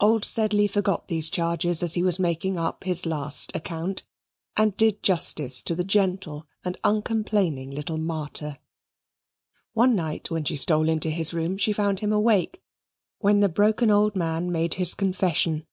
Old Sedley forgot these charges as he was making up his last account, and did justice to the gentle and uncomplaining little martyr. One night when she stole into his room, she found him awake, when the broken old man made his confession.